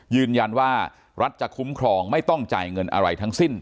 ยืนยันว่ารัฐจะคุ้มครองไม่ต้องจ่ายเงินอะไรทั้งสิ้น